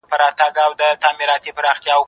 سبزیجات د مور له خوا تيار کيږي؟